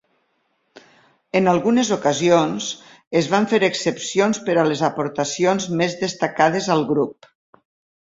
En algunes ocasions, es van fer excepcions per a les aportacions més destacades al grup.